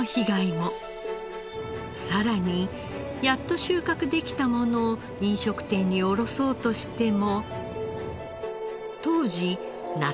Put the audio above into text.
さらにやっと収穫できたものを飲食店に卸そうとしても。